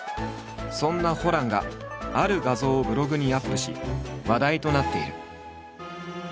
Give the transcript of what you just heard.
そんなホランがある画像をブログにアップし話題となっている。